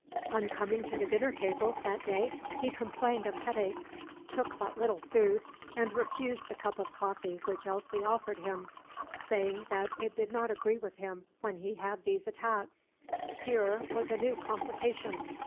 On coming to the dinner table, that day, he complained of headache, took but little food, and refused the cup of coffee which Elsie offered him, saying that it did not agree with him when he had these attacks. Here was a new complication.